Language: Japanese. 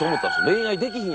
恋愛できひん